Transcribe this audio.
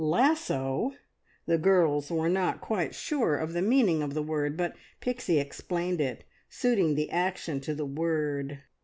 "Lasso!" The girls were not quite sure of the meaning of the word, but Pixie explained it, suiting the action to the word.